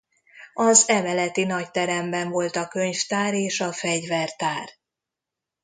Az emeleti nagyteremben volt a könyvtár és a fegyvertár.